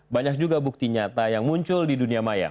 banyak juga bukti nyata yang muncul di dunia maya